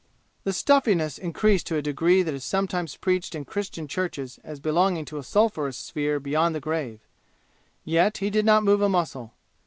The stuffiness increased to a degree that is sometimes preached in Christian churches as belonging to a sulphurous sphere beyond the grave. Yet he did not move a muscle.